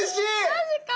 マジか！